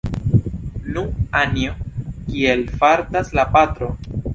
Nu, Anjo, kiel fartas la patro?